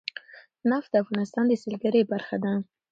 نفت د افغانستان د سیلګرۍ برخه ده.